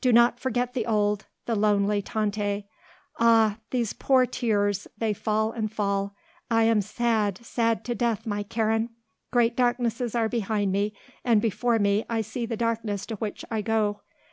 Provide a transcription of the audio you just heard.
Do not forget the old, the lonely Tante. Ah, these poor tears, they fall and fall. I am sad, sad to death, my Karen. Great darknesses are behind me, and before me I see the darkness to which I go.